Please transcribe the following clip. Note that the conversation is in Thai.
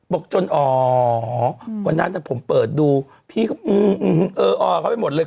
บอกจนอ๋อวันนั้นผมเปิดดูพี่ก็เอออเขาไปหมดเลย